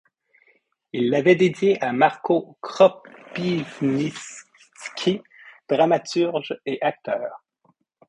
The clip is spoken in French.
Il l'avait dédiée à Marko Kropyvnytsky, dramaturge et acteur.